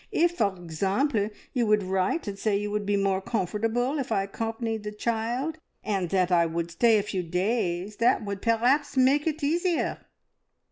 If, for example, you would write and say you would be more comfortable if I accompanied the child, and that I would stay a few days that would perhaps make it easier!"